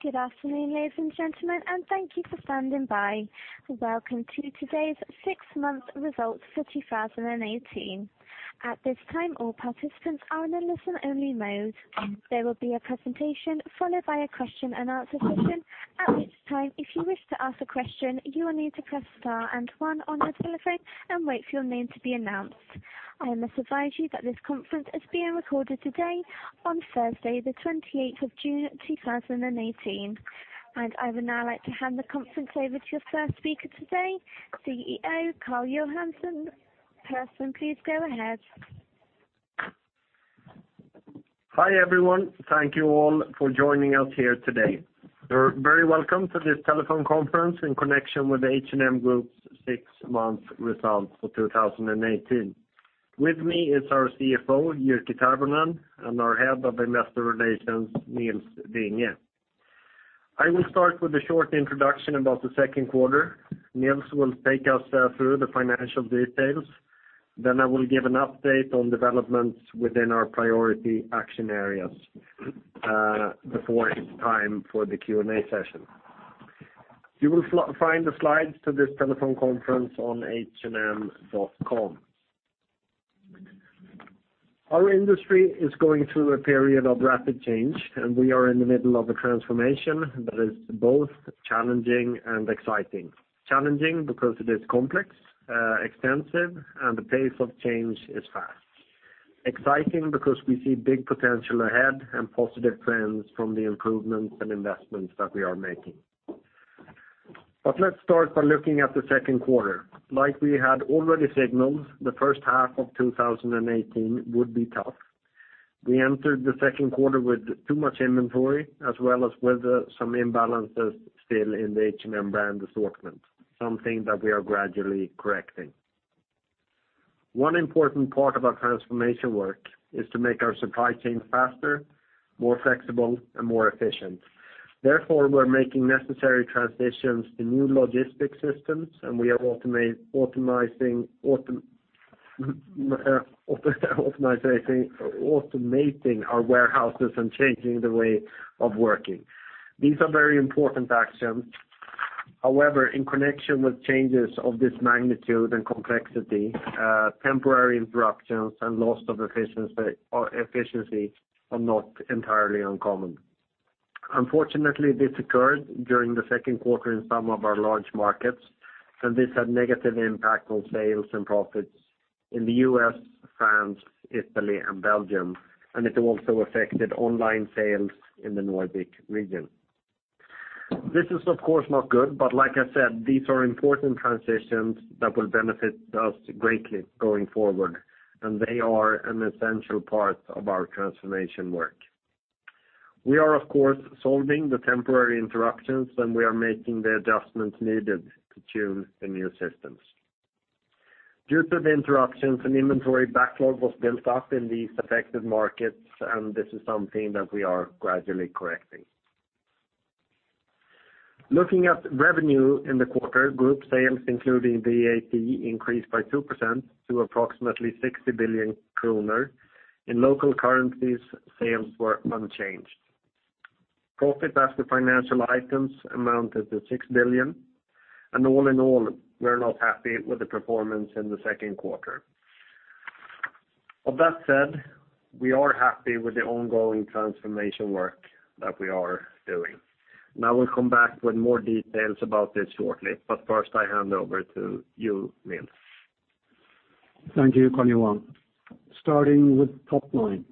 Good afternoon, ladies and gentlemen, and thank you for standing by. Welcome to today's six-month results for 2018. At this time, all participants are in a listen-only mode. There will be a presentation followed by a question and answer session. At which time, if you wish to ask a question, you will need to press star and one on your telephone and wait for your name to be announced. I must advise you that this conference is being recorded today on Thursday, the 28th of June 2018. I would now like to hand the conference over to your first speaker today, CEO Karl-Johan Persson, please go ahead. Hi, everyone. Thank you all for joining us here today. You're very welcome to this telephone conference in connection with H&M Group's six-month results for 2018. With me is our CFO, Jyrki Tervonen, and our Head of Investor Relations, Nils Vinge. I will start with a short introduction about the second quarter. Nils will take us through the financial details, I will give an update on developments within our priority action areas, before it's time for the Q&A session. You will find the slides to this telephone conference on hm.com. Our industry is going through a period of rapid change, we are in the middle of a transformation that is both challenging and exciting. Challenging because it is complex, extensive, the pace of change is fast. Exciting because we see big potential ahead positive trends from the improvements and investments that we are making. Let's start by looking at the second quarter. Like we had already signaled, the first half of 2018 would be tough. We entered the second quarter with too much inventory as well as with some imbalances still in the H&M brand assortment, something that we are gradually correcting. One important part of our transformation work is to make our supply chain faster, more flexible, and more efficient. Therefore, we're making necessary transitions to new logistics systems, we are automating our warehouses and changing the way of working. These are very important actions. However, in connection with changes of this magnitude and complexity, temporary interruptions and loss of efficiency are not entirely uncommon. Unfortunately, this occurred during the second quarter in some of our large markets, this had negative impact on sales and profits in the U.S., France, Italy, and Belgium, it also affected online sales in the Nordic region. This is, of course, not good, like I said, these are important transitions that will benefit us greatly going forward, they are an essential part of our transformation work. We are, of course, solving the temporary interruptions, we are making the adjustments needed to tune the new systems. Due to the interruptions, an inventory backlog was built up in these affected markets, this is something that we are gradually correcting. Looking at revenue in the quarter, group sales, including VAT, increased by 2% to approximately 60 billion kronor. In local currencies, sales were unchanged. Profit after financial items amounted to 6 billion. All in all, we're not happy with the performance in the second quarter. With that said, we are happy with the ongoing transformation work that we are doing. We'll come back with more details about this shortly, but first I hand over to you, Nils. Thank you, Karl-Johan. Starting with top line.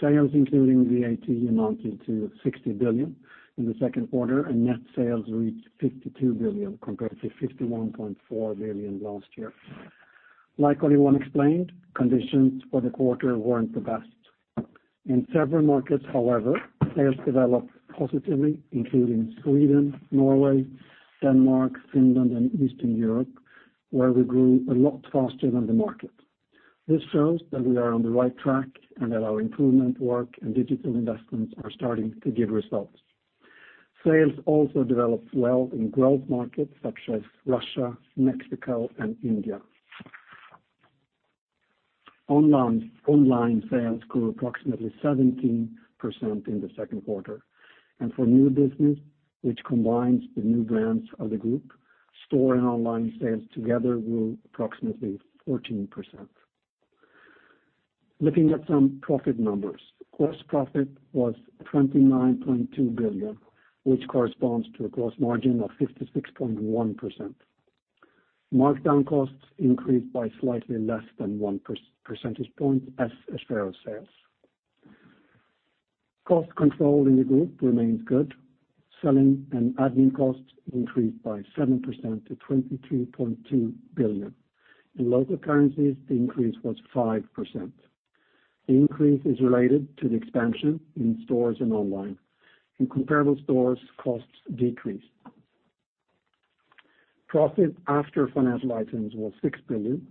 Sales including VAT amounted to 60 billion in the second quarter, net sales reached 52 billion compared to 51.4 billion last year. Like Karl-Johan explained, conditions for the quarter weren't the best. In several markets, however, sales developed positively, including Sweden, Norway, Denmark, Finland, and Eastern Europe, where we grew a lot faster than the market. This shows that we are on the right track and that our improvement work and digital investments are starting to give results. Sales also developed well in growth markets such as Russia, Mexico, and India. Online sales grew approximately 17% in the second quarter, for new business, which combines the new brands of the group, store and online sales together grew approximately 14%. Looking at some profit numbers. Gross profit was 29.2 billion, which corresponds to a gross margin of 56.1%. Markdown costs increased by slightly less than one percentage point as a share of sales. Cost control in the group remains good. Selling and admin costs increased by 7% to 22.2 billion. In local currencies, the increase was 5%. The increase is related to the expansion in stores and online. In comparable stores, costs decreased. Profit after financial items was 6 billion,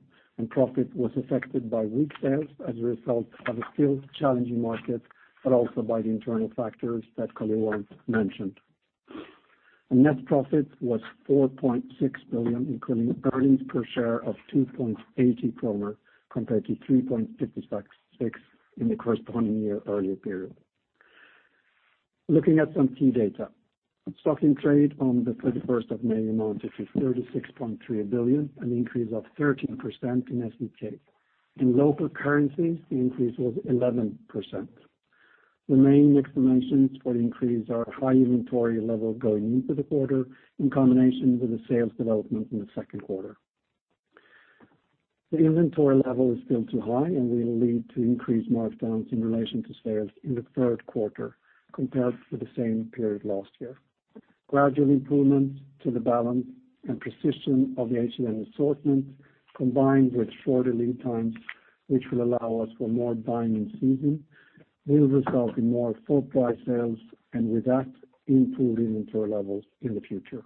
profit was affected by weak sales as a result of a still challenging market, but also by the internal factors that Karl-Johan mentioned. Net profit was 4.6 billion, including earnings per share of 2.80 kronor, compared to 3.56 in the corresponding year earlier period. Looking at some key data. Stock in trade on the 31st of May amounted to 36.3 billion, an increase of 13% in SEK. In local currency, the increase was 11%. The main explanations for the increase are high inventory level going into the quarter in combination with the sales development in the second quarter. The inventory level is still too high, will lead to increased markdowns in relation to sales in the third quarter compared to the same period last year. Gradual improvements to the balance and precision of the H&M assortment, combined with shorter lead times, which will allow us for more buying in season, will result in more full-price sales, and with that, improved inventory levels in the future.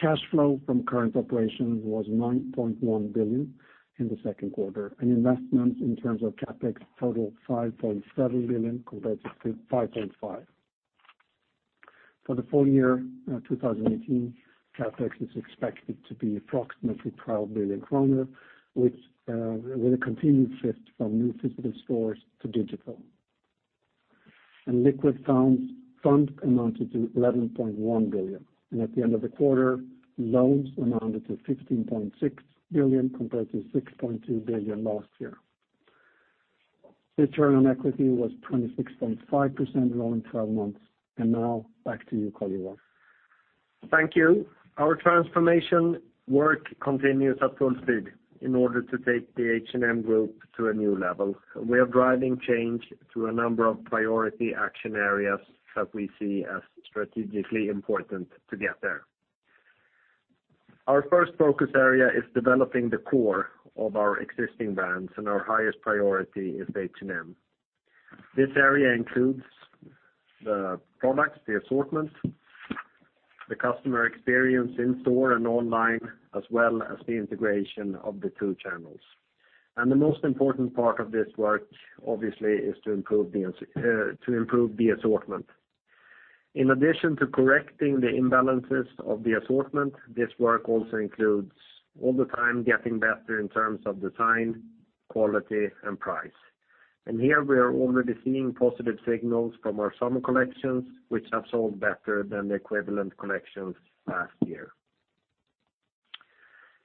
Cash flow from current operations was 9.1 billion in the second quarter, investments in terms of CapEx totaled 5.7 billion compared to 5.5 billion. For the full year 2018, CapEx is expected to be approximately 12 billion kronor, with a continued shift from new physical stores to digital. Liquid funds amounted to 11.1 billion. At the end of the quarter, loans amounted to 15.6 billion compared to 6.2 billion last year. Return on equity was 26.5% rolling 12 months. Now, back to you, Karl-Johan. Thank you. Our transformation work continues at full speed in order to take the H&M Group to a new level. We are driving change through a number of priority action areas that we see as strategically important to get there. Our first focus area is developing the core of our existing brands, our highest priority is H&M. This area includes the products, the assortment, the customer experience in store and online, as well as the integration of the two channels. The most important part of this work, obviously, is to improve the assortment. In addition to correcting the imbalances of the assortment, this work also includes all the time getting better in terms of design, quality, and price. Here, we are already seeing positive signals from our summer collections, which have sold better than the equivalent collections last year.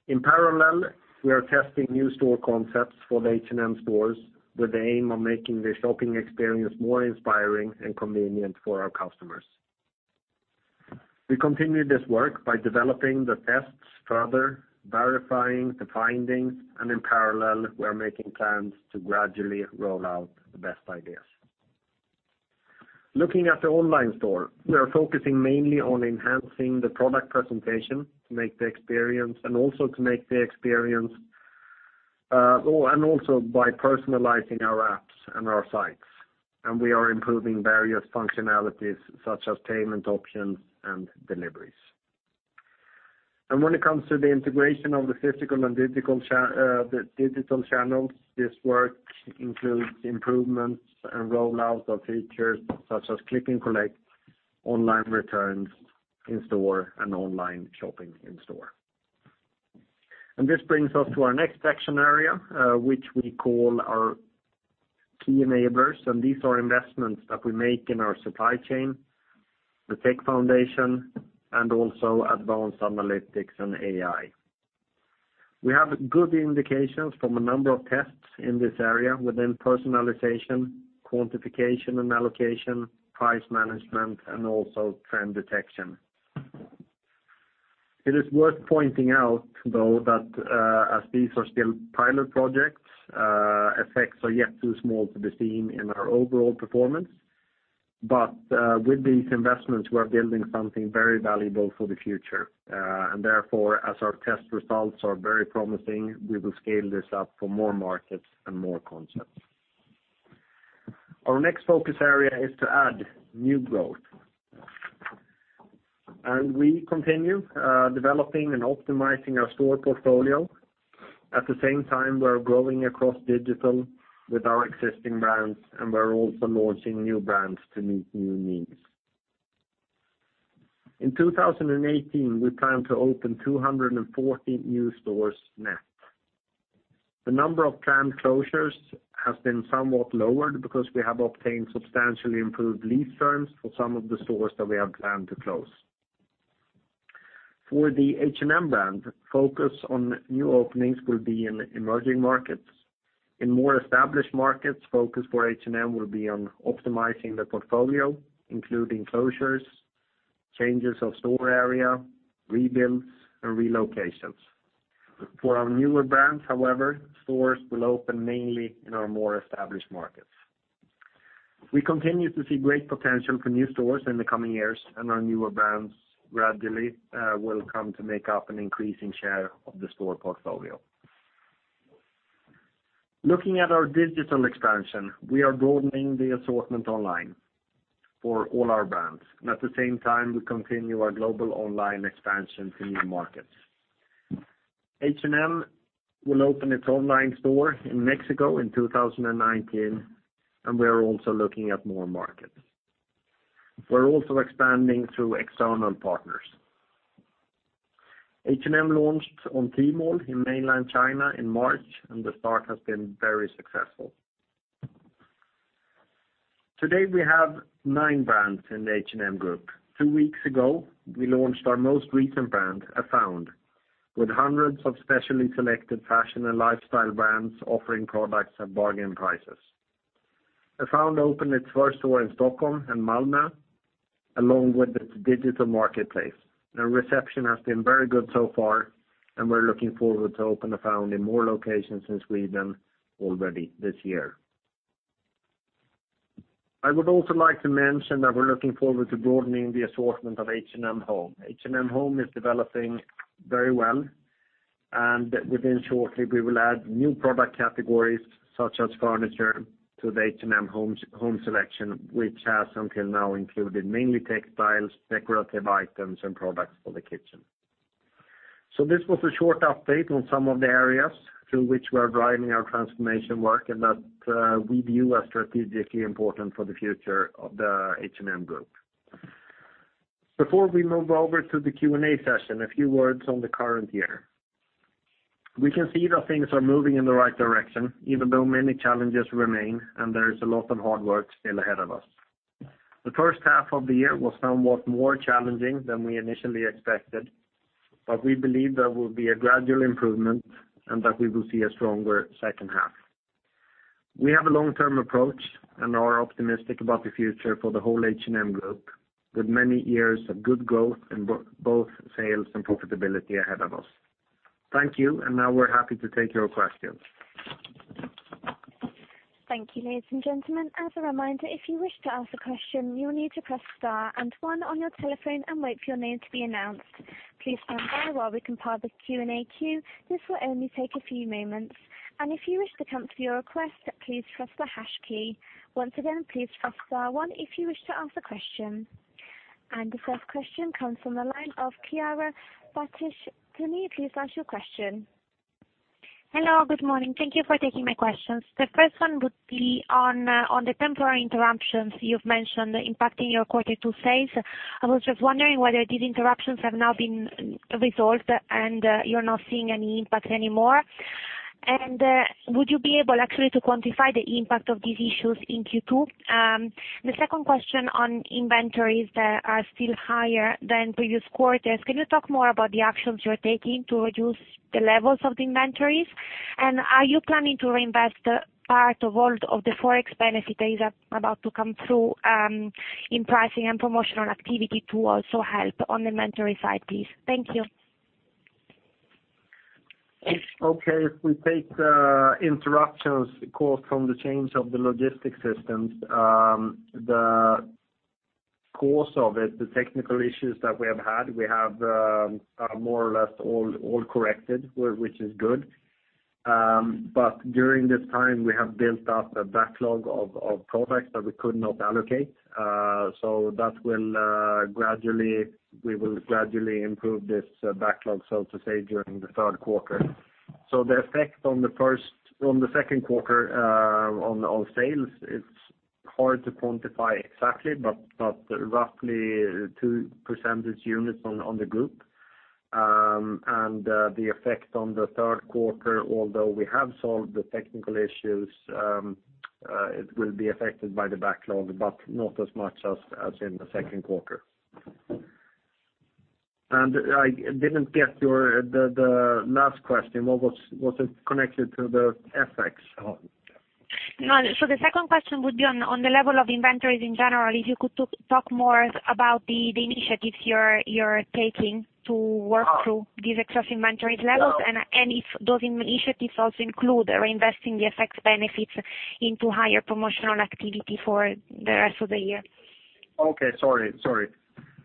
In parallel, we are testing new store concepts for the H&M stores with the aim of making the shopping experience more inspiring and convenient for our customers. We continue this work by developing the tests further, verifying the findings, in parallel, we are making plans to gradually roll out the best ideas. Looking at the online store, we are focusing mainly on enhancing the product presentation to make the experience, also by personalizing our apps and our sites. We are improving various functionalities, such as payment options and deliveries. When it comes to the integration of the physical and digital channels, this work includes improvements and rollout of features such as click and collect, online returns in store, and online shopping in store. This brings us to our next action area, which we call our key enablers, these are investments that we make in our supply chain, the tech foundation, also advanced analytics and AI. We have good indications from a number of tests in this area within personalization, quantification and allocation, price management, also trend detection. It is worth pointing out, though, that as these are still pilot projects, effects are yet too small to be seen in our overall performance. With these investments, we are building something very valuable for the future. Therefore, as our test results are very promising, we will scale this up for more markets and more concepts. Our next focus area is to add new growth. We continue developing and optimizing our store portfolio. At the same time, we are growing across digital with our existing brands, and we are also launching new brands to meet new needs. In 2018, we plan to open 240 new stores net. The number of planned closures has been somewhat lowered because we have obtained substantially improved lease terms for some of the stores that we have planned to close. For the H&M brand, focus on new openings will be in emerging markets. In more established markets, focus for H&M will be on optimizing the portfolio, including closures, changes of store area, rebuilds, and relocations. For our newer brands, however, stores will open mainly in our more established markets. We continue to see great potential for new stores in the coming years, and our newer brands gradually will come to make up an increasing share of the store portfolio. Looking at our digital expansion, we are broadening the assortment online for all our brands. At the same time, we continue our global online expansion to new markets. H&M will open its online store in Mexico in 2019, and we are also looking at more markets. We're also expanding through external partners. H&M launched on Tmall in mainland China in March, and the start has been very successful. Today we have nine brands in the H&M Group. Two weeks ago, we launched our most recent brand, Afound, with hundreds of specially selected fashion and lifestyle brands offering products at bargain prices. Afound opened its first store in Stockholm and Malmö, along with its digital marketplace. The reception has been very good so far, and we're looking forward to open Afound in more locations in Sweden already this year. I would also like to mention that we're looking forward to broadening the assortment of H&M Home. H&M Home is developing very well, and within shortly we will add new product categories such as furniture to the H&M Home selection, which has until now included mainly textiles, decorative items, and products for the kitchen. This was a short update on some of the areas through which we are driving our transformation work and that we view as strategically important for the future of the H&M Group. Before we move over to the Q&A session, a few words on the current year. We can see that things are moving in the right direction, even though many challenges remain and there is a lot of hard work still ahead of us. The first half of the year was somewhat more challenging than we initially expected, but we believe there will be a gradual improvement and that we will see a stronger second half. We have a long-term approach and are optimistic about the future for the whole H&M Group, with many years of good growth in both sales and profitability ahead of us. Thank you, and now we're happy to take your questions. Thank you, ladies and gentlemen. As a reminder, if you wish to ask a question, you'll need to press star and one on your telephone and wait for your name to be announced. Please stand by while we compile the Q&A queue. This will only take a few moments, and if you wish to cancel your request, please press the hash key. Once again, please press star one if you wish to ask a question. The first question comes from the line of Chiara Sheridan. To me, please ask your question. Hello, good morning. Thank you for taking my questions. The first one would be on the temporary interruptions you've mentioned impacting your quarter two sales. I was just wondering whether these interruptions have now been resolved, and you're not seeing any impact anymore. Would you be able actually to quantify the impact of these issues in Q2? The second question on inventories that are still higher than previous quarters, can you talk more about the actions you're taking to reduce the levels of the inventories? Are you planning to reinvest part of all of the Forex benefit that is about to come through, in pricing and promotional activity to also help on the inventory side, please? Thank you. Okay. If we take the interruptions caused from the change of the logistics systems, the course of it, the technical issues that we have had, we have more or less all corrected, which is good. During this time we have built up a backlog of products that we could not allocate. We will gradually improve this backlog, so to say, during the third quarter. The effect on the second quarter, on sales, it's hard to quantify exactly, but roughly two percentage units on the group. The effect on the third quarter, although we have solved the technical issues, it will be affected by the backlog, but not as much as in the second quarter. I didn't get the last question. Was it connected to the FX? No. The second question would be on the level of inventories in general, if you could talk more about the initiatives you're taking to work through these excess inventories levels and if those initiatives also include reinvesting the FX benefits into higher promotional activity for the rest of the year. Okay. Sorry.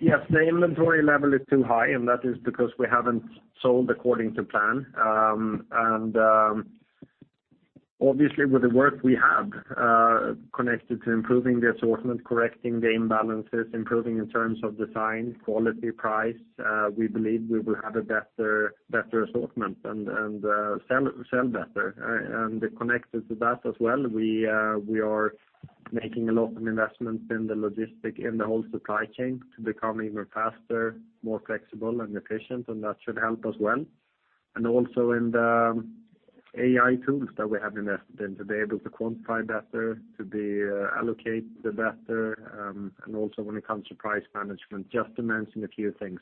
Yes, the inventory level is too high, and that is because we haven't sold according to plan. Obviously with the work we have, connected to improving the assortment, correcting the imbalances, improving in terms of design, quality, price, we believe we will have a better assortment and sell better. Connected to that as well, we are making a lot of investments in the logistic, in the whole supply chain to become even faster, more flexible, and efficient, and that should help as well. Also in the AI tools that we have invested in to be able to quantify better, to allocate better, and also when it comes to price management, just to mention a few things.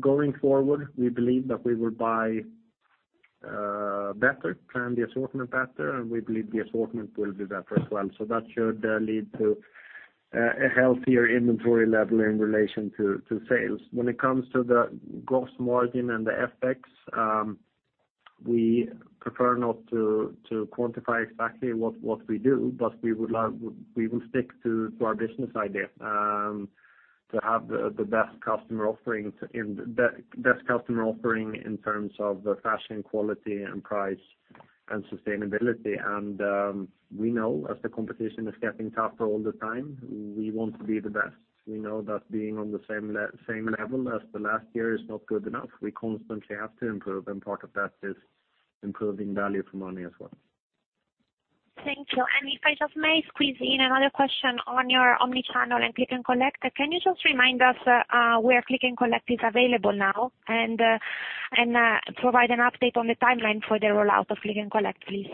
Going forward, we believe that we will buy better, plan the assortment better, and we believe the assortment will be better as well. That should lead to a healthier inventory level in relation to sales. When it comes to the gross margin and the FX, we prefer not to quantify exactly what we do, but we will stick to our business idea, to have the best customer offering in terms of fashion, quality, and price. Sustainability. We know as the competition is getting tougher all the time, we want to be the best. We know that being on the same level as the last year is not good enough. We constantly have to improve, and part of that is improving value for money as well. Thank you. If I just may squeeze in another question on your omni-channel and click and collect. Can you just remind us where click and collect is available now and provide an update on the timeline for the rollout of click and collect, please?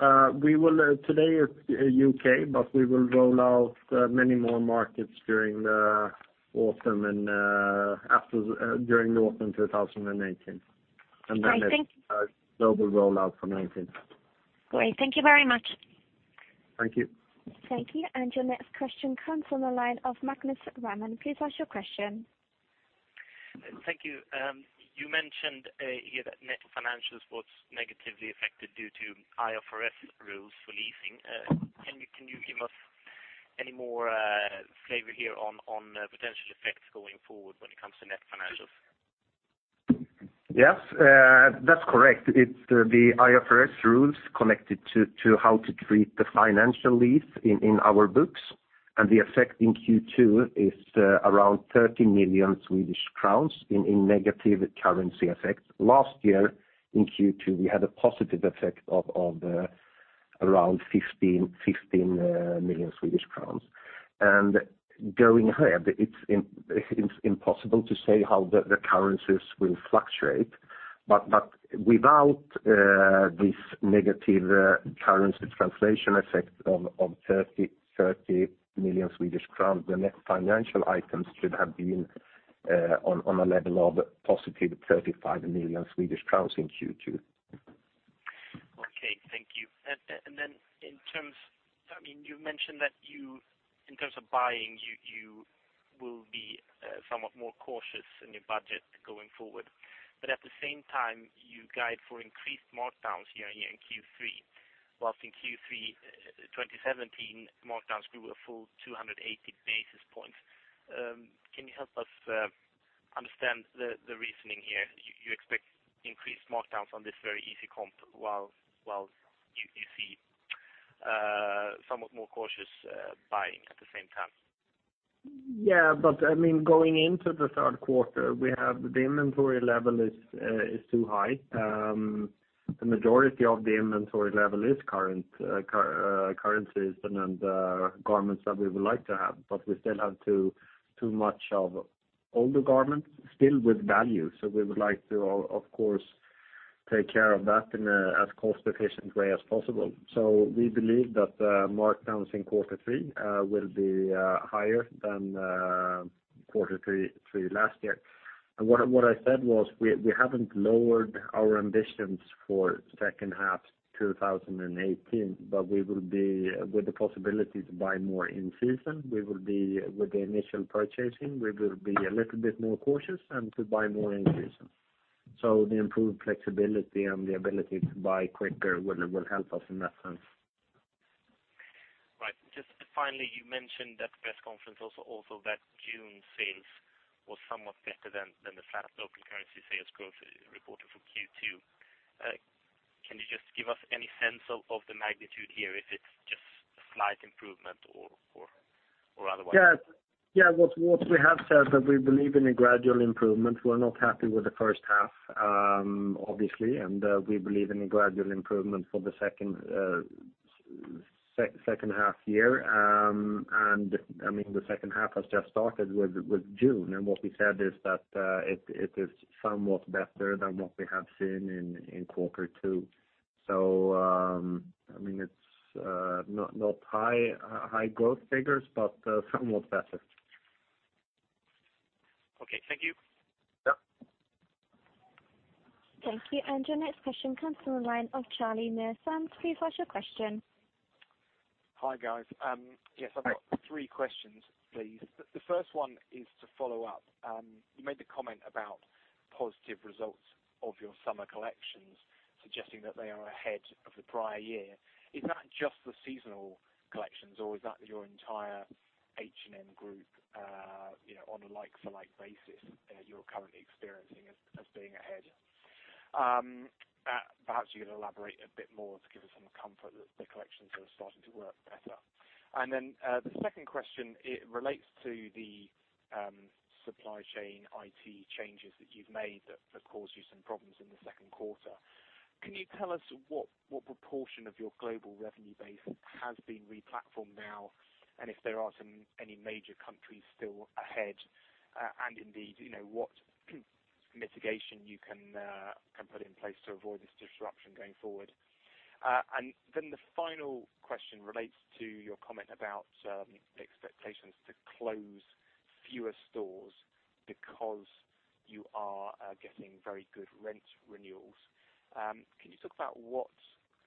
Today, U.K., but we will roll out many more markets during the autumn 2018. Great. Thank you. A global rollout for 2019. Great. Thank you very much. Thank you. Thank you. Your next question comes from the line of Magnus Råman. Please ask your question. Thank you. You mentioned here that net financials was negatively affected due to IFRS rules for leasing. Can you give us any more flavor here on potential effects going forward when it comes to net financials? Yes, that's correct. It's the IFRS rules connected to how to treat the financial lease in our books, and the effect in Q2 is around 30 million Swedish crowns in negative currency effects. Last year in Q2, we had a positive effect of around 15 million Swedish crowns. Going ahead, it's impossible to say how the currencies will fluctuate, but without this negative currency translation effect of 30 million Swedish crowns, the net financial items should have been on a level of positive 35 million Swedish crowns in Q2. Okay, thank you. Then, you mentioned that in terms of buying, you will be somewhat more cautious in your budget going forward. At the same time, you guide for increased markdowns year-on-year in Q3, whilst in Q3 2017, markdowns grew a full 280 basis points. Can you help us understand the reasoning here? You expect increased markdowns on this very easy comp, while you see somewhat more cautious buying at the same time. Going into the third quarter, the inventory level is too high. The majority of the inventory level is current collections and the garments that we would like to have, but we still have too much of older garments still with value. We would like to, of course, take care of that in as cost-efficient way as possible. We believe that markdowns in quarter three will be higher than quarter three last year. What I said was, we haven't lowered our ambitions for second half 2018, but with the possibility to buy more in-season, with the initial purchasing, we will be a little bit more cautious and to buy more in season. The improved flexibility and the ability to buy quicker will help us in that sense. Right. Just finally, you mentioned at the press conference also that June sales was somewhat better than the flat local currency sales growth reported for Q2. Can you just give us any sense of the magnitude here, if it's just a slight improvement or otherwise? What we have said that we believe in a gradual improvement. We're not happy with the first half, obviously, and we believe in a gradual improvement for the second half year. The second half has just started with June, and what we said is that it is somewhat better than what we have seen in quarter two. It's not high growth figures, but somewhat better. Okay, thank you. Yeah. Thank you. Your next question comes from the line of Charlie Muir-Sands. Please ask your question. Hi, guys. Yes, I've got three questions, please. The first one is to follow up. You made the comment about positive results of your summer collections suggesting that they are ahead of the prior year. Is that just the seasonal collections, or is that your entire H&M Group on a like-for-like basis, you're currently experiencing as being ahead? Perhaps you can elaborate a bit more to give us some comfort that the collections are starting to work better. The second question, it relates to the supply chain IT changes that you've made that caused you some problems in the second quarter. Can you tell us what proportion of your global revenue base has been re-platformed now, and if there are any major countries still ahead? Indeed, what mitigation you can put in place to avoid this disruption going forward? The final question relates to your comment about expectations to close fewer stores because you are getting very good rent renewals. Can you talk about what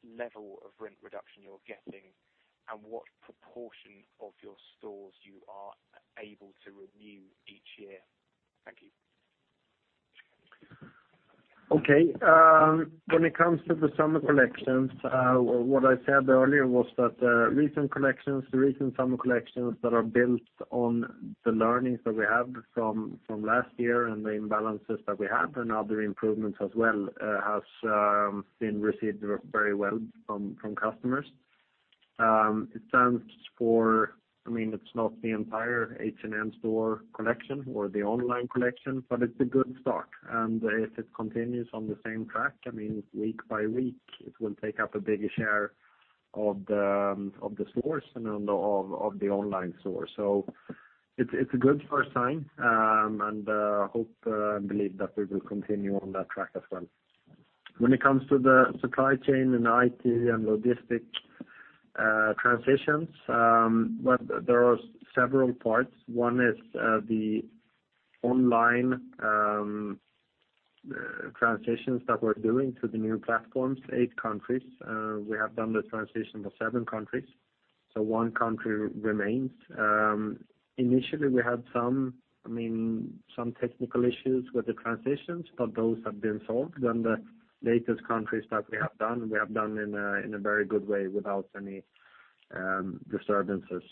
level of rent reduction you're getting and what proportion of your stores you are able to renew each year? Thank you. Okay. When it comes to the summer collections, what I said earlier was that the recent summer collections that are built on the learnings that we have from last year and the imbalances that we had and other improvements as well, has been received very well from customers. It stands for, it's not the entire H&M store collection or the online collection, but it's a good start. If it continues on the same track, week by week, it will take up a bigger share of the stores and of the online store. It's a good first sign, and I hope and believe that we will continue on that track as well. When it comes to the supply chain and IT and logistic transitions, there are several parts. One is the online transitions that we're doing to the new platforms, eight countries. We have done the transition for seven countries, so one country remains. Initially, we had some technical issues with the transitions, but those have been solved. The latest countries that we have done, we have done in a very good way without any disturbances.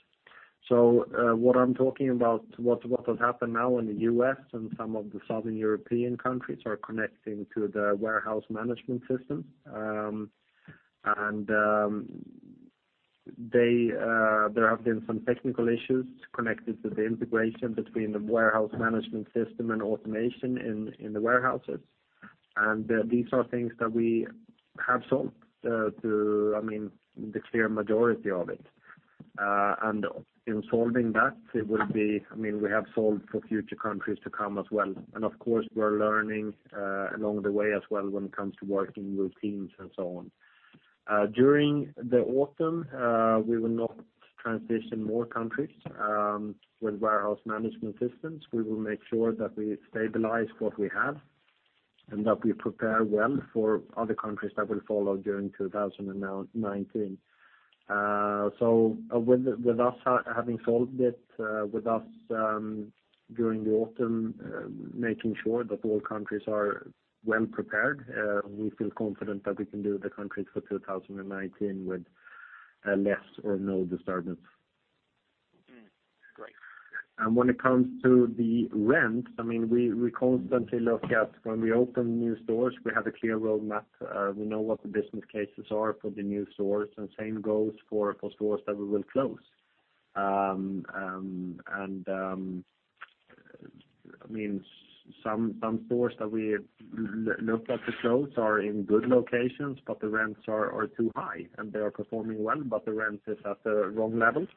What I'm talking about, what has happened now in the U.S. and some of the southern European countries are connecting to the warehouse management system. There have been some technical issues connected to the integration between the warehouse management system and automation in the warehouses. These are things that we have solved the clear majority of it. In solving that, we have solved for future countries to come as well. Of course, we're learning along the way as well when it comes to working routines and so on. During the autumn, we will not transition more countries with warehouse management systems. We will make sure that we stabilize what we have and that we prepare well for other countries that will follow during 2019. With us having solved it, with us during the autumn, making sure that all countries are well prepared, we feel confident that we can do the countries for 2019 with less or no disturbance. Great. When it comes to the rent, we constantly look at when we open new stores, we have a clear roadmap. We know what the business cases are for the new stores, and same goes for stores that we will close. Some stores that we look at to close are in good locations, but the rents are too high, and they are performing well, but the rent is at the wrong level,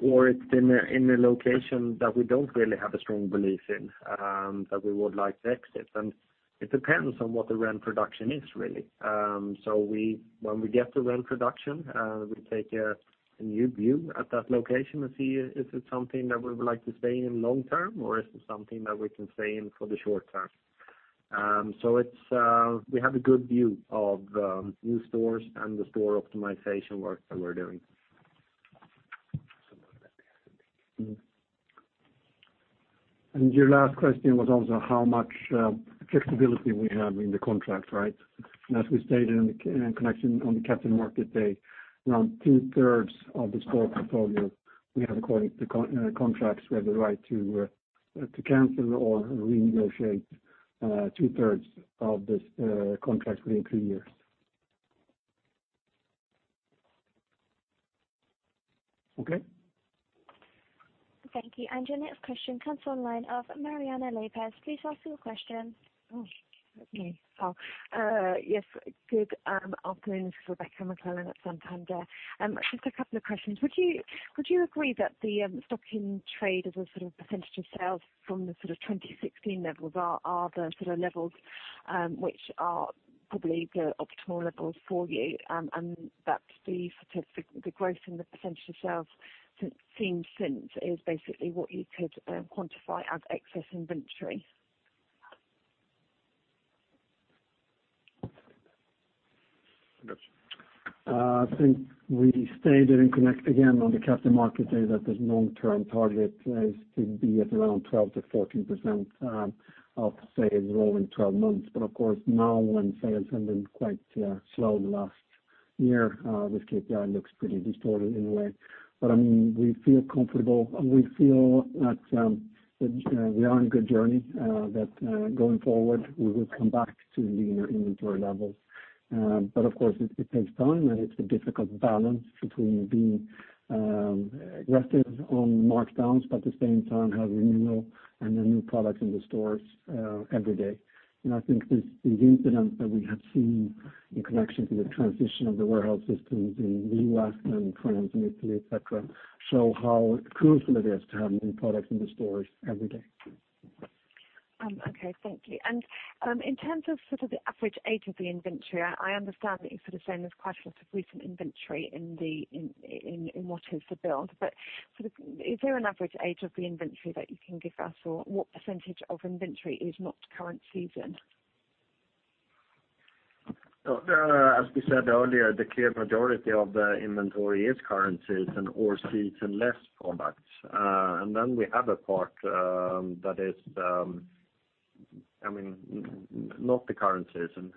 or it's in a location that we don't really have a strong belief in, that we would like to exit. It depends on what the rent production is, really. When we get the rent production, we take a new view at that location and see if it's something that we would like to stay in long-term, or is it something that we can stay in for the short term. We have a good view of new stores and the store optimization work that we're doing. Your last question was also how much flexibility we have in the contract, right? As we stated in connection on the Capital Markets Day, around two-thirds of the store portfolio, we have contracts where the right to cancel or renegotiate two-thirds of this contract within two years. Okay. Thank you. Your next question comes online of Mariana Lopez. Please ask your question. Yes. Good afternoon. It's Rebecca McClellan at Santander. Just a couple of questions. Would you agree that the stock in trade as a % of sales from the 2016 levels are the sort of levels which are probably the optimal levels for you, and that the growth in the % of sales seen since is basically what you could quantify as excess inventory? I think we stated in connect again on the Capital Markets Day that the long-term target is to be at around 12%-14% of sales rolling 12 months. Of course, now when sales have been quite slow last year this KPI looks pretty distorted in a way. We feel comfortable. We feel that we are on a good journey, that going forward, we will come back to leaner inventory levels. Of course, it takes time, and it's a difficult balance between being aggressive on markdowns, but at the same time have renewal and the new product in the stores every day. I think these incidents that we have seen in connection to the transition of the warehouse systems in the U.S. and France and Italy, et cetera, show how crucial it is to have new products in the stores every day. Okay, thank you. In terms of the average age of the inventory, I understand that you're saying there's quite a lot of recent inventory in what is the build, but is there an average age of the inventory that you can give us, or what percentage of inventory is not current season? As we said earlier, the clear majority of the inventory is current season or season-less products. Then we have a part that is not the current season.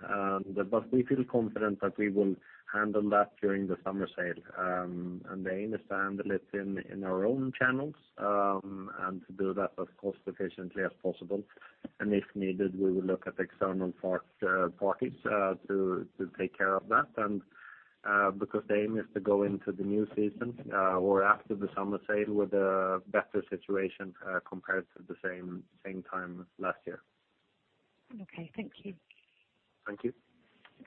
We feel confident that we will handle that during the summer sale. They understand it in our own channels, and to do that as cost efficiently as possible. Because the aim is to go into the new season or after the summer sale with a better situation compared to the same time last year. Okay. Thank you. Thank you.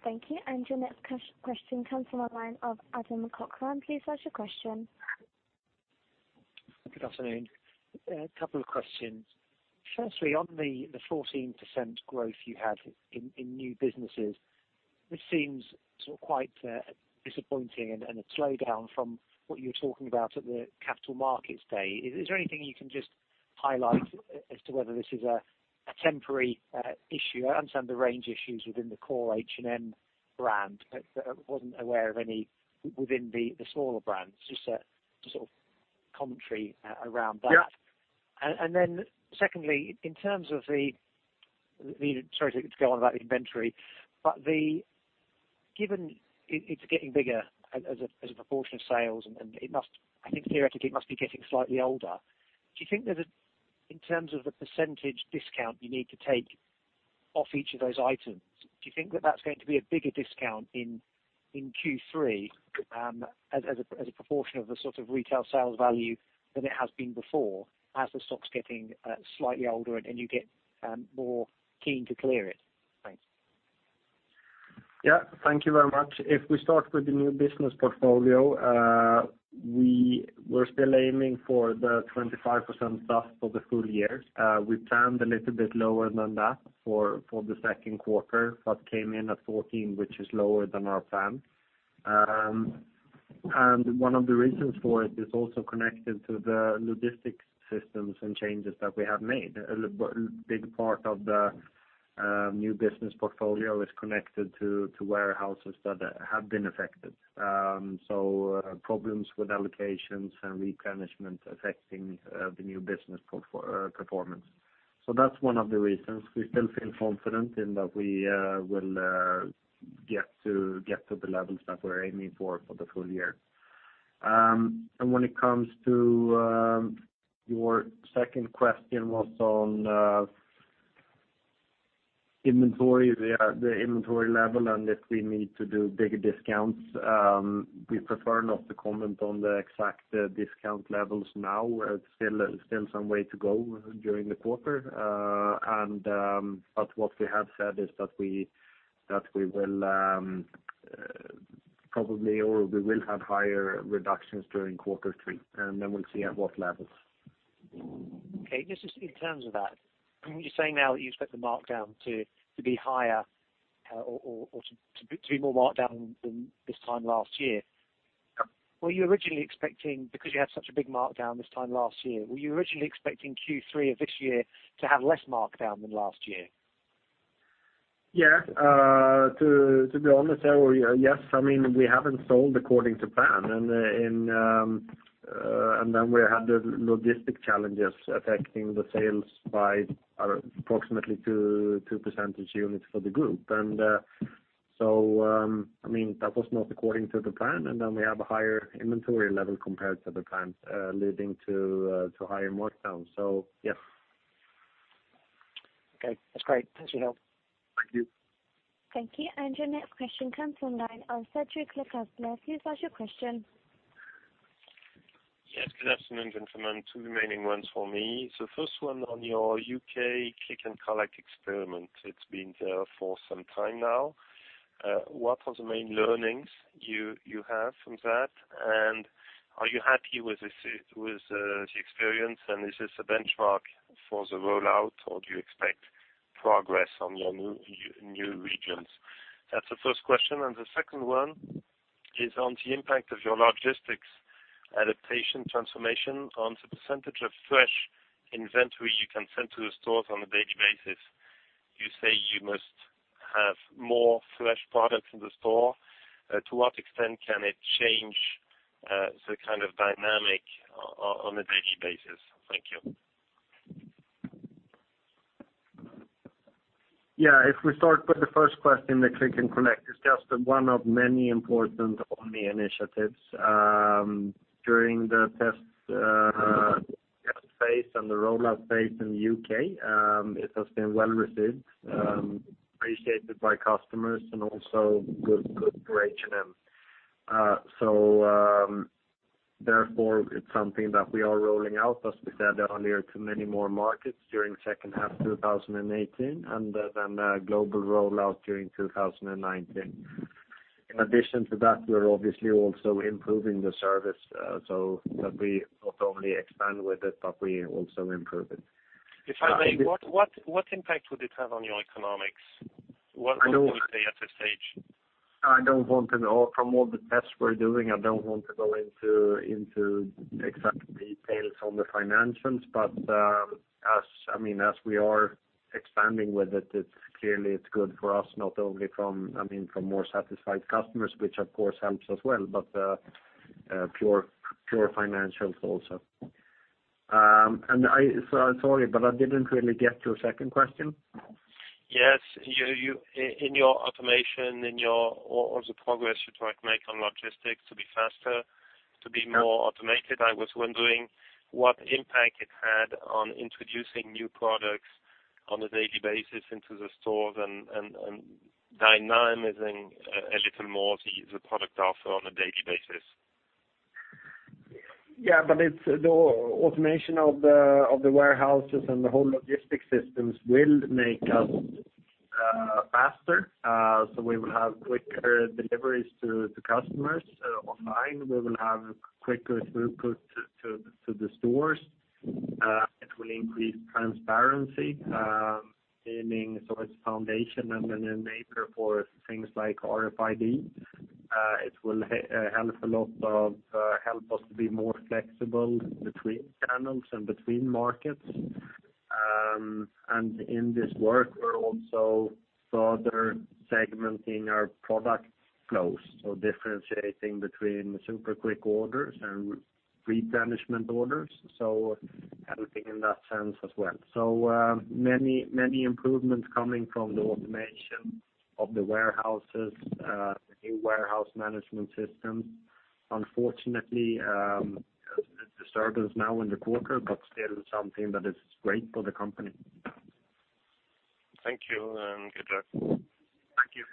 Thank you. Your next question comes from the line of Adam Cochrane. Please ask your question. Good afternoon. A couple of questions. Firstly, on the 14% growth you had in new businesses, this seems quite disappointing and a slowdown from what you were talking about at the Capital Markets Day. Is there anything you can just highlight as to whether this is a temporary issue? I understand the range issues within the core H&M brand, but I wasn't aware of any within the smaller brands, just a commentary around that. Yeah. Secondly, in terms of the Sorry to go on about the inventory. Given it's getting bigger as a proportion of sales, I think theoretically it must be getting slightly older. Do you think that in terms of the percentage discount you need to take off each of those items, do you think that that's going to be a bigger discount in Q3 as a proportion of the retail sales value than it has been before, as the stock's getting slightly older and you get more keen to clear it? Thanks. Yeah. Thank you very much. If we start with the new business portfolio, we were still aiming for the 25% boost for the full year. We planned a little bit lower than that for the second quarter, but came in at 14, which is lower than our plan. One of the reasons for it is also connected to the logistics systems and changes that we have made. A big part of the new business portfolio is connected to warehouses that have been affected. Problems with allocations and replenishment affecting the new business performance. That's one of the reasons. We still feel confident in that we will get to the levels that we're aiming for the full year. When it comes to your second question was on the inventory level and if we need to do bigger discounts. We prefer not to comment on the exact discount levels now. There's still some way to go during the quarter. What we have said is that we'll have higher reductions during quarter three, and then we'll see at what levels. Okay. Just in terms of that, you're saying now that you expect the markdown to be higher or to be more marked down than this time last year. You had such a big markdown this time last year, were you originally expecting Q3 of this year to have less markdown than last year? Yeah. To be honest, yes. We haven't sold according to plan, we had the logistic challenges affecting the sales by approximately two percentage units for the group. That was not according to the plan, we have a higher inventory level compared to the plans, leading to higher markdowns. Yes. Okay. That's great. Thanks for your help. Thank you. Thank you. Your next question comes from the line of Cédric Lecasble. Please ask your question. Yes, good afternoon, gentlemen. Two remaining ones for me. First one on your U.K. click and collect experiment. It's been there for some time now. What are the main learnings you have from that, and are you happy with the experience, and is this a benchmark for the rollout, or do you expect progress on your new regions? That's the first question. The second one is on the impact of your logistics adaptation transformation on the percentage of fresh inventory you can send to the stores on a daily basis. You say you must have more fresh products in the store. To what extent can it change the kind of dynamic on a daily basis? Thank you. If we start with the first question, the click and collect is just one of many important omni initiatives. During the test phase and the rollout phase in the U.K., it has been well received, appreciated by customers, and also good for H&M. Therefore, it's something that we are rolling out, as we said earlier, to many more markets during second half 2018, and then a global rollout during 2019. In addition to that, we're obviously also improving the service so that we not only expand with it, but we also improve it. If I may, what impact would it have on your economics? What can we say at this stage? From all the tests we're doing, I don't want to go into exact details on the financials. As we are expanding with it, clearly it's good for us, not only from more satisfied customers, which of course helps as well, but pure financials also. Sorry, but I didn't really get your second question. Yes. In your automation, in all the progress you try to make on logistics to be faster, to be more automated. I was wondering what impact it had on introducing new products on a daily basis into the stores and dynamizing a little more the product offer on a daily basis. Yeah. The automation of the warehouses and the whole logistics systems will make us faster. We will have quicker deliveries to customers online. We will have quicker throughput to the stores. It will increase transparency, meaning so it's a foundation and an enabler for things like RFID. It will help us to be more flexible between channels and between markets. In this work, we're also further segmenting our product flows. Differentiating between super quick orders and replenishment orders, so helping in that sense as well. Many improvements coming from the automation of the warehouses, the new warehouse management systems. Unfortunately, it disturbs us now in the quarter, but still it's something that is great for the company. Thank you, good luck. Thank you.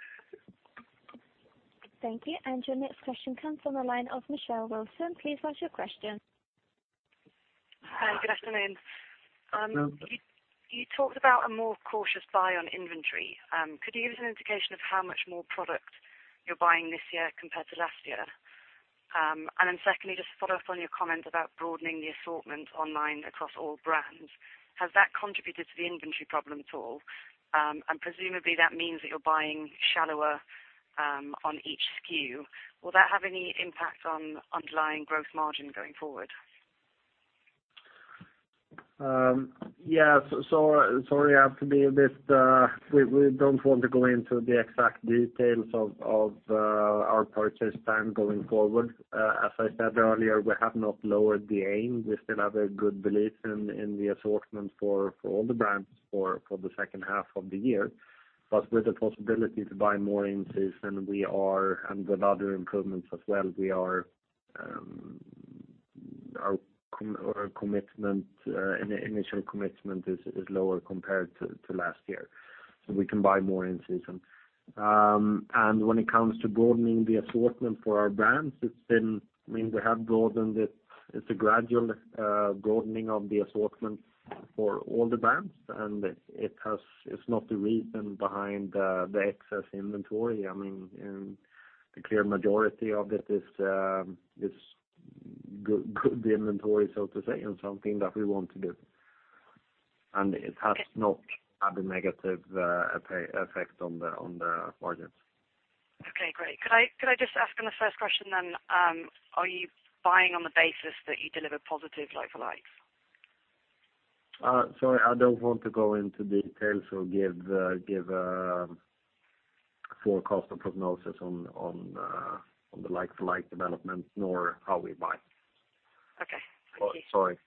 Thank you. Your next question comes from the line of Michelle Wilson. Please ask your question. Hi, good afternoon. You talked about a more cautious buy on inventory. Could you give us an indication of how much more product you're buying this year compared to last year? Secondly, just to follow up on your comment about broadening the assortment online across all brands, has that contributed to the inventory problem at all? Presumably, that means that you're buying shallower on each SKU. Will that have any impact on underlying growth margin going forward? Yeah. Sorry, we don't want to go into the exact details of our purchase plan going forward. As I said earlier, we have not lowered the aim. We still have a good belief in the assortment for all the brands for the second half of the year. With the possibility to buy more in-season, and with other improvements as well, our initial commitment is lower compared to last year. We can buy more in-season. When it comes to broadening the assortment for our brands, we have broadened it. It's a gradual broadening of the assortment for all the brands, and it's not the reason behind the excess inventory. The clear majority of it is good inventory, so to say, and something that we want to do. It has not had a negative effect on the margins. Okay, great. Could I just ask on the first question then, are you buying on the basis that you deliver positive like-for-likes? Sorry, I don't want to go into details or give a forecast or prognosis on the like-for-like development, nor how we buy. Okay. Thank you. Sorry.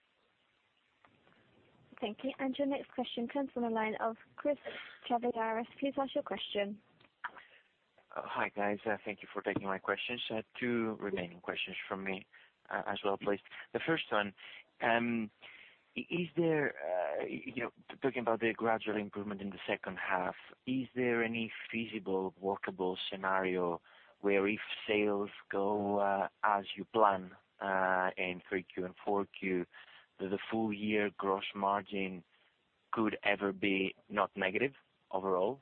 Thank you. Your next question comes from the line of Chris Chaviaras. Please ask your question. Hi, guys. Thank you for taking my questions. Two remaining questions from me as well, please. The first one, talking about the gradual improvement in the second half, is there any feasible, workable scenario where if sales go as you plan in 3Q and 4Q, the full-year gross margin could ever be not negative overall?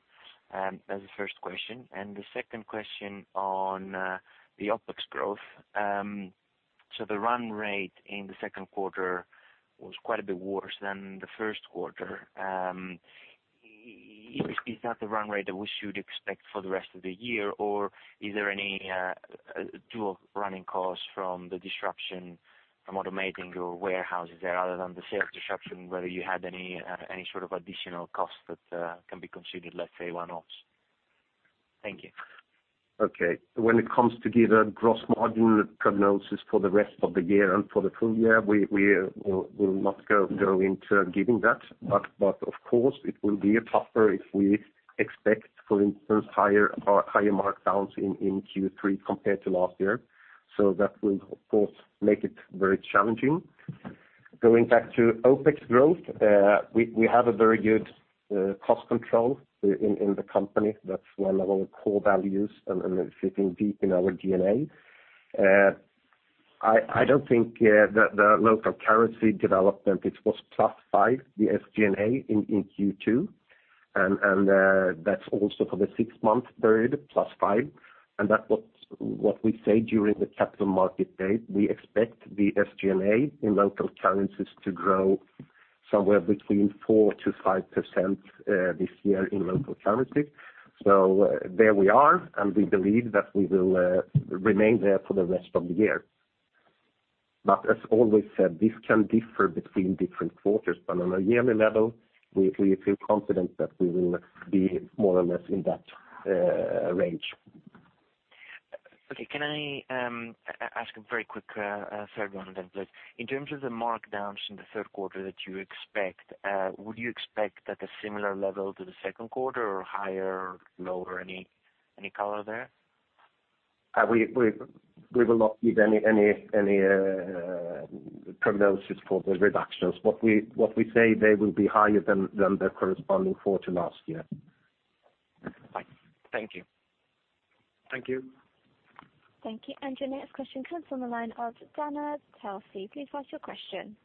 That's the first question. The second question on the OpEx growth. The run rate in the second quarter was quite a bit worse than the first quarter. Is that the run rate that we should expect for the rest of the year, or is there any dual running costs from the disruption from automating your warehouses there other than the sales disruption, whether you had any sort of additional costs that can be considered, let's say, one-offs? Thank you. Okay. When it comes to give a gross margin prognosis for the rest of the year and for the full year, we will not go into giving that. Of course, it will be tougher if we expect, for instance, higher markdowns in Q3 compared to last year. That will, of course, make it very challenging. Going back to OpEx growth, we have a very good cost control in the company. That's one of our core values, and it's sitting deep in our DNA. I don't think the local currency development, it was plus 5%, the SG&A in Q2, and that's also for the six-month period, plus 5%. That what we say during the Capital Markets Day, we expect the SG&A in local currencies to grow somewhere between 4%-5% this year in local currency. There we are, and we believe that we will remain there for the rest of the year. As always said, this can differ between different quarters, but on a yearly level, we feel confident that we will be more or less in that range. Okay. Can I ask a very quick third one then, please? In terms of the markdowns in the third quarter that you expect, would you expect that a similar level to the second quarter or higher or lower? Any color there? We will not give any prognosis for the reductions. What we say, they will be higher than the corresponding quarter last year. Thank you. Thank you. Thank you. Your next question comes from the line of Dana Telsey. Please ask your question.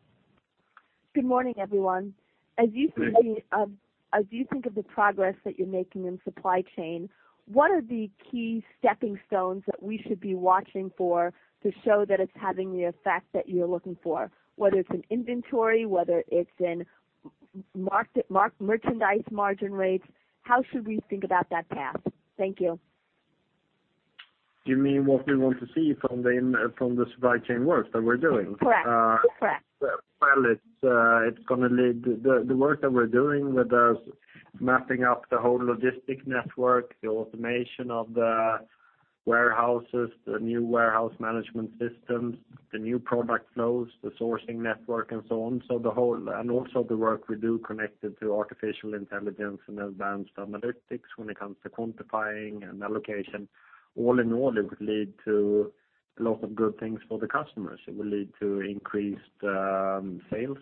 Good morning, everyone. As you think of the progress that you're making in supply chain, what are the key stepping stones that we should be watching for to show that it's having the effect that you're looking for? Whether it's in inventory, whether it's in merchandise margin rates, how should we think about that path? Thank you. You mean what we want to see from the supply chain work that we're doing? Correct. The work that we're doing with mapping out the whole logistic network, the automation of the warehouses, the new warehouse management systems, the new product flows, the sourcing network and so on. Also the work we do connected to artificial intelligence and advanced analytics when it comes to quantifying and allocation. All in all, it would lead to a lot of good things for the customers. It will lead to increased sales,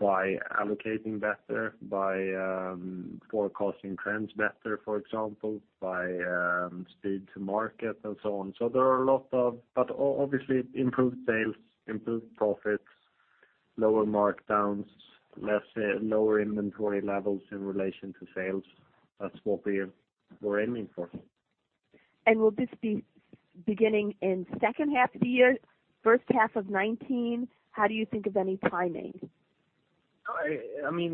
by allocating better, by forecasting trends better, for example, by speed to market and so on. Obviously improved sales, improved profits, lower markdowns, lower inventory levels in relation to sales. That's what we're aiming for. Will this be beginning in second half of the year, first half of 2019? How do you think of any timing?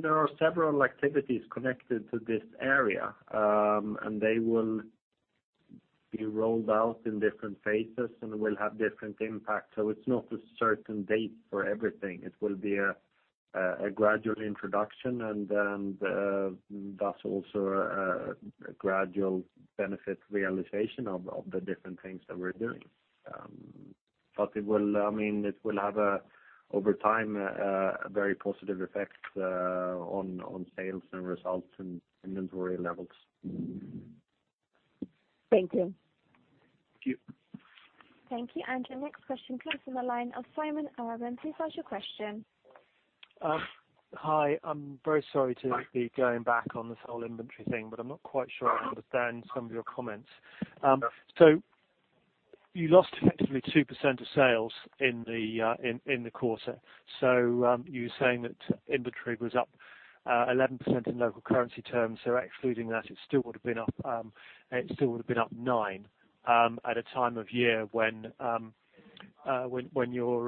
There are several activities connected to this area, and they will be rolled out in different phases and will have different impacts. It's not a certain date for everything. It will be a gradual introduction and thus also a gradual benefit realization of the different things that we're doing. It will have, over time, a very positive effect on sales and results and inventory levels. Thank you. Thank you. Thank you. Your next question comes from the line of Simon Allen. Please ask your question. Hi. I'm very sorry to be going back on this whole inventory thing, but I'm not quite sure I understand some of your comments. You lost effectively 2% of sales in the quarter. You were saying that inventory was up 11% in local currency terms, excluding that, it still would've been up nine, at a time of year when you're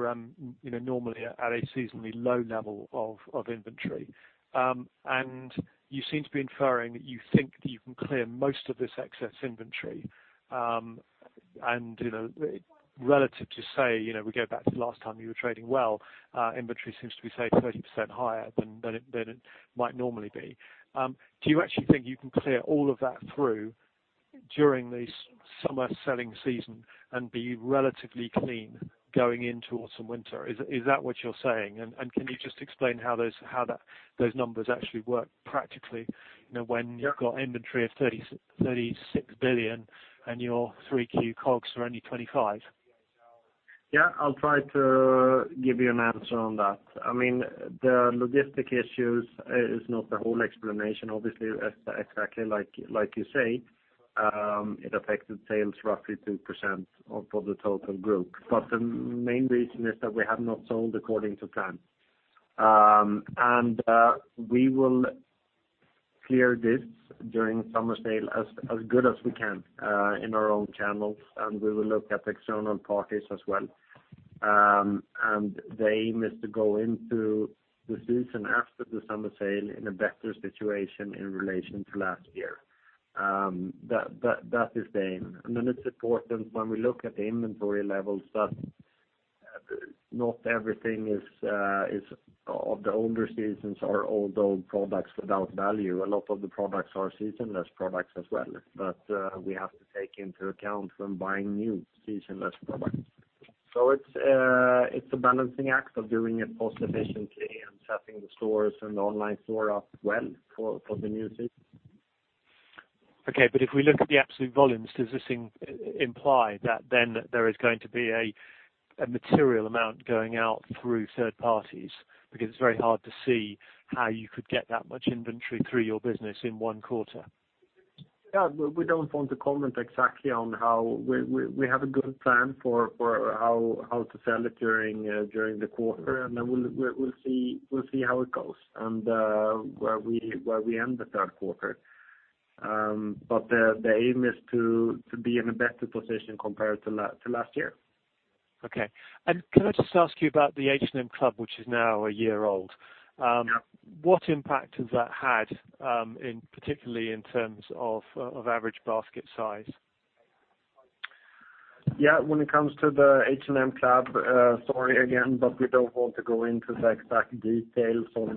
normally at a seasonally low level of inventory. You seem to be inferring that you think that you can clear most of this excess inventory. Relative to say, we go back to the last time you were trading well, inventory seems to be, say, 30% higher than it might normally be. Do you actually think you can clear all of that through during the summer selling season and be relatively clean going into autumn winter? Is that what you're saying? Can you just explain how those numbers actually work practically, when you've got inventory of 36 billion and your 3Q COGS are only 25 billion? Yeah, I'll try to give you an answer on that. The logistic issues is not the whole explanation, obviously, exactly like you say. It affected sales roughly 2% of the total group. The main reason is that we have not sold according to plan. We will clear this during summer sale as good as we can in our own channels, and we will look at external parties as well. The aim is to go into the season after the summer sale in a better situation in relation to last year. That is the aim. Then it's important when we look at the inventory levels that not everything of the older seasons are old products without value. A lot of the products are season-less products as well, that we have to take into account when buying new season-less products. It's a balancing act of doing it cost efficiently and setting the stores and the online store up well for the new season. If we look at the absolute volumes, does this imply that there is going to be a material amount going out through third parties? It's very hard to see how you could get that much inventory through your business in one quarter. We don't want to comment exactly. We have a good plan for how to sell it during the quarter, we'll see how it goes, and where we end the third quarter. The aim is to be in a better position compared to last year. Can I just ask you about the H&M Member, which is now a year old? Yeah. What impact has that had, particularly in terms of average basket size? Yeah. We don't want to go into the exact details on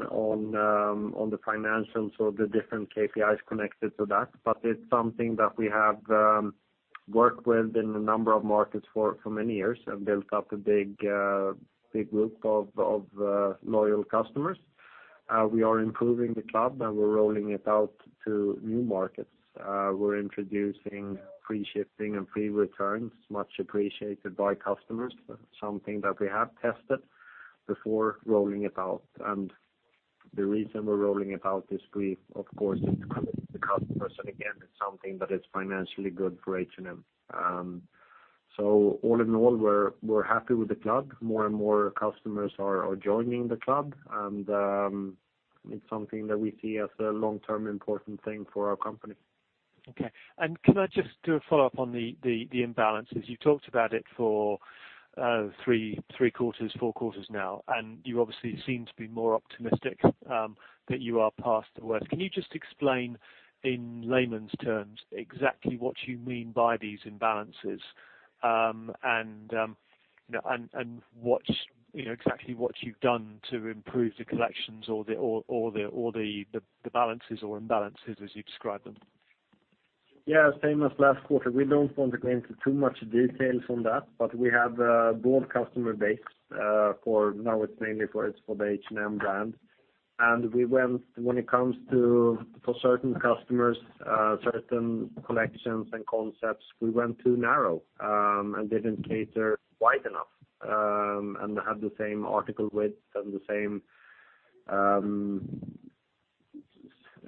the financials or the different KPIs connected to that. It's something that we have worked with in a number of markets for many years and built up a big group of loyal customers. We are improving the club, and we're rolling it out to new markets. We're introducing free shipping and free returns, much appreciated by customers. That's something that we have tested before rolling it out. The reason we're rolling it out is we, of course, it's good for the customers. Again, it's something that is financially good for H&M. All in all, we're happy with the club. More and more customers are joining the club, and it's something that we see as a long-term important thing for our company. Okay. Could I just do a follow-up on the imbalances? You talked about it for three quarters, four quarters now, and you obviously seem to be more optimistic that you are past the worst. Can you just explain in layman's terms exactly what you mean by these imbalances, and exactly what you've done to improve the collections or the balances or imbalances as you describe them? Yeah, same as last quarter. We don't want to go into too much details on that. We have a broad customer base. For now it's mainly for the H&M brand. When it comes to, for certain customers, certain collections and concepts, we went too narrow, and didn't cater wide enough, and had the same article width and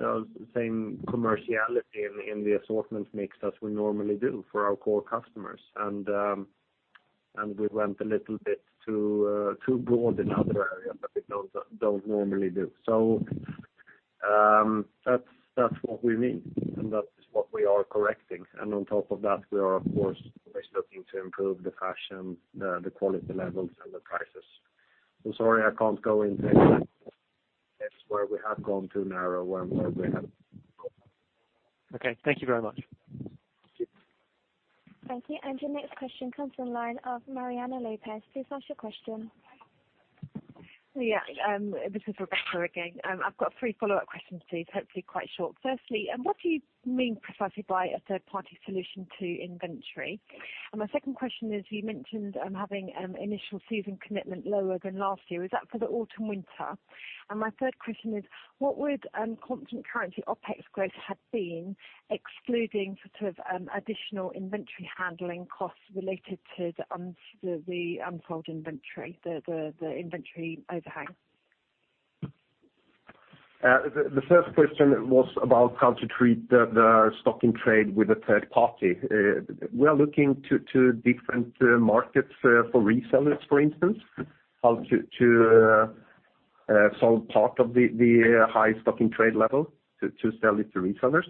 the same commerciality in the assortment mix as we normally do for our core customers. We went a little bit too broad in other areas that we don't normally do. That's what we mean, and that is what we are correcting. On top of that, we are of course, always looking to improve the fashion, the quality levels, and the prices. I'm sorry I can't go into where we have gone too narrow and where we have. Okay. Thank you very much. Thank you. Your next question comes from the line of Mariana Lopez. Please ask your question. Yeah. This is Rebecca again. I have got three follow-up questions, please. Hopefully, quite short. Firstly, what do you mean precisely by a third-party solution to inventory? My second question is, you mentioned having initial season commitment lower than last year. Is that for the autumn/winter? My third question is, what would constant currency OpEx growth had been excluding sort of additional inventory handling costs related to the unsold inventory, the inventory overhang? The first question was about how to treat the stock in trade with a third party. We are looking to different markets for resellers, for instance, how to sell part of the high stock in trade level to sell it to resellers.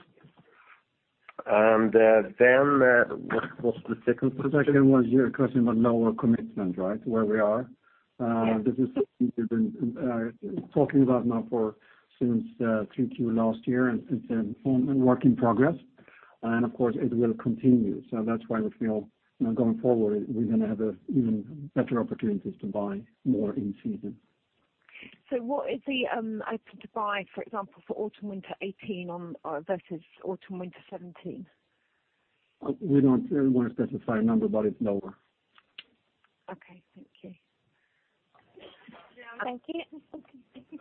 What was the second question? The second one, you were questioning about lower commitment, right? Where we are. Yes. This is something we've been talking about now since Q2 last year, and it's a work in progress. Of course, it will continue. That's why we feel going forward, we're going to have even better opportunities to buy more in season. What is the open to buy, for example, for autumn/winter 2018 versus autumn/winter 2017? We don't want to specify a number, but it's lower. Okay. Thank you. Thank you.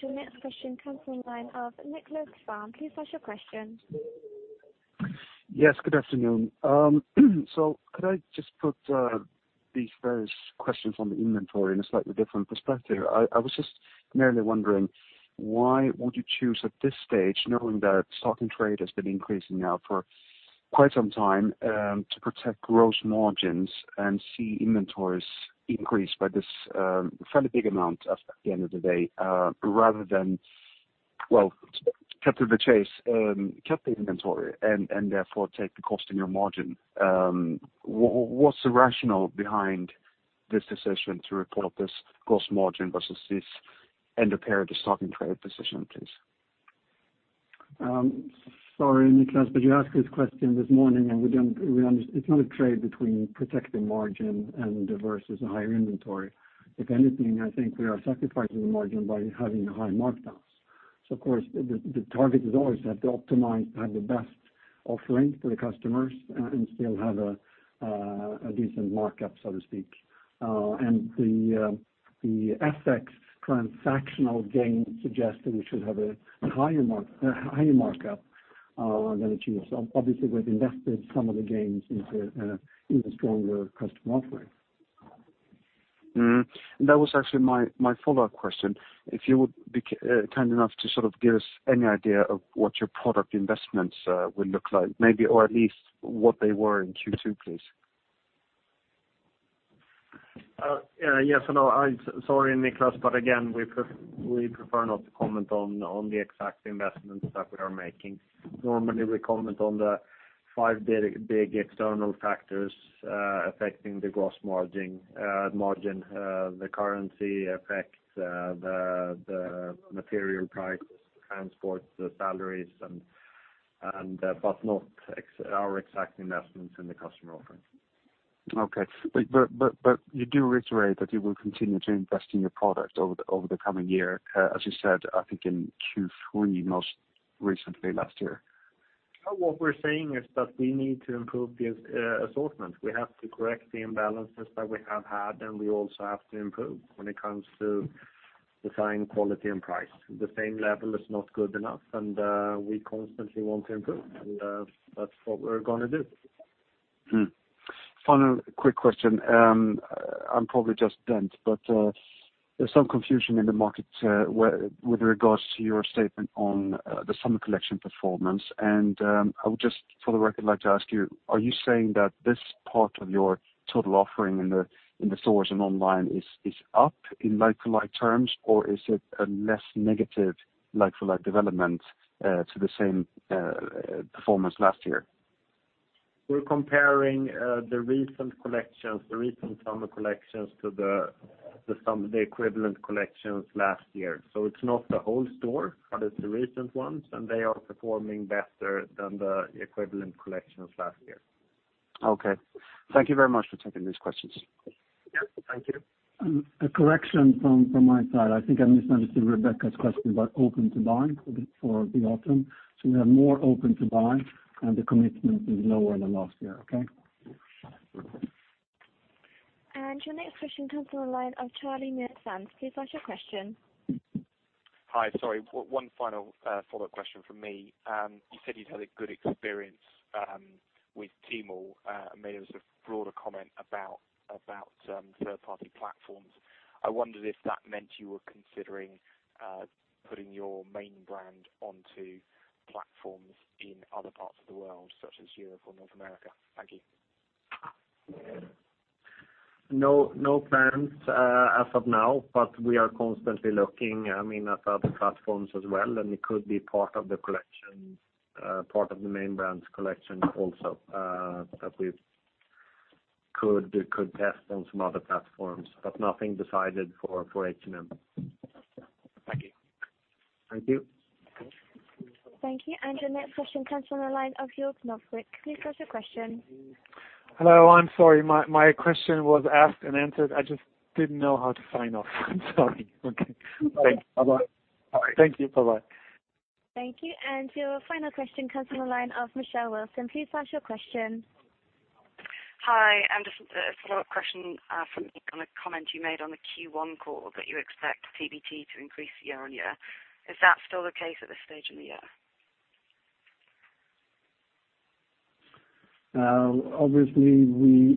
Your next question comes from the line of Niklas Ekman. Please ask your question. Yes, good afternoon. Could I just put these various questions on the inventory in a slightly different perspective? I was just merely wondering why would you choose at this stage, knowing that stock-in-trade has been increasing now for quite some time, to protect gross margins and see inventories increase by this fairly big amount at the end of the day, rather than, to cut to the chase, cut the inventory and therefore take the cost in your margin. What's the rationale behind this decision to report this gross margin versus this end of period stock-in-trade decision, please? Sorry, Niklas, you asked this question this morning, it's not a trade between protecting margin versus a higher inventory. If anything, I think we are sacrificing the margin by having high markdowns. Of course, the target is always have to optimize to have the best offering to the customers and still have a decent markup, so to speak. The FX transactional gain suggests that we should have a higher markup than achieved. Obviously we've invested some of the gains into even stronger customer offering. Mm-hmm. That was actually my follow-up question. If you would be kind enough to sort of give us any idea of what your product investments will look like, maybe or at least what they were in Q2, please. Yes and no. Sorry, Niklas. Again, we prefer not to comment on the exact investments that we are making. Normally, we comment on the five big external factors affecting the gross margin, the currency effect, the material prices, transport, the salaries, but not our exact investments in the customer offerings. Okay. You do reiterate that you will continue to invest in your product over the coming year, as you said, I think in Q3 most recently last year? What we're saying is that we need to improve the assortment. We have to correct the imbalances that we have had. We also have to improve when it comes to design, quality, and price. The same level is not good enough. We constantly want to improve. That's what we're going to do. Final quick question. I'm probably just dense, but there's some confusion in the market with regards to your statement on the summer collection performance. I would just for the record like to ask you, are you saying that this part of your total offering in the stores and online is up in like-to-like terms, or is it a less negative like-for-like development to the same performance last year? We're comparing the recent current collections to the equivalent collections last year. It's not the whole store, but it's the recent ones, and they are performing better than the equivalent collections last year. Okay. Thank you very much for taking these questions. Yes, thank you. A correction from my side. I think I misunderstood Rebecca's question about open to buy for the autumn. We have more open to buy and the commitment is lower than last year. Okay? Your next question comes on the line of Charlie Muir-Sands. Please ask your question. Hi. Sorry, one final follow-up question from me. You said you'd had a good experience with Tmall, and made a sort of broader comment about third-party platforms. I wondered if that meant you were considering putting your main brand onto platforms in other parts of the world, such as Europe or North America. Thank you. No plans as of now, but we are constantly looking at other platforms as well, and it could be part of the main brand's collection also, that we could test on some other platforms, but nothing decided for H&M. Thank you. Thank you. Thank you. Your next question comes on the line of Jörg von Appen. Please ask your question. Hello, I'm sorry. My question was asked and answered. I just didn't know how to sign off. I'm sorry. Okay, thanks. Bye-bye. Thank you. Bye-bye. Thank you. Your final question comes on the line of Michelle Wilson. Please ask your question. Hi. Just a follow-up question from a comment you made on the Q1 call that you expect PBT to increase year-on-year. Is that still the case at this stage in the year? Obviously, we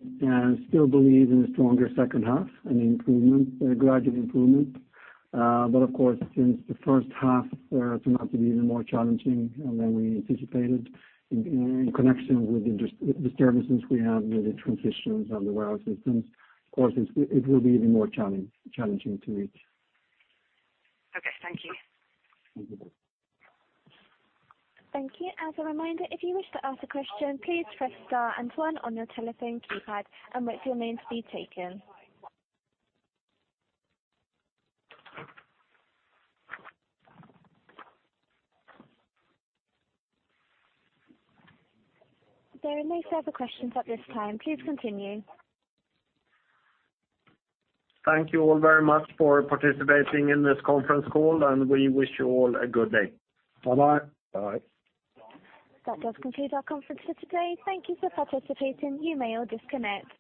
still believe in a stronger second half and a gradual improvement. Of course, since the first half turned out to be even more challenging than we anticipated, in connection with the disturbances we have with the transitions of the warehouse systems, of course, it will be even more challenging to reach. Okay. Thank you. Thank you. Thank you. As a reminder, if you wish to ask a question, please press star and one on your telephone keypad and wait for your name to be taken. There are no further questions at this time. Please continue. Thank you all very much for participating in this conference call, and we wish you all a good day. Bye-bye. Bye. That does conclude our conference for today. Thank you for participating. You may all disconnect.